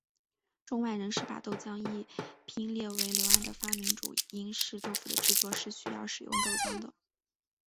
中外人士把豆浆一拼列为刘安的发明主因是豆腐的制作是需要使用豆浆的。